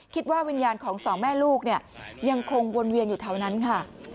คิดว่าวิญญาณของสองแม่ลูกยังคงวนเวียงอยู่เท่านั้นค่ะ